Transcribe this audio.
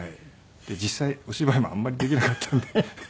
実際お芝居もあんまりできなかったので。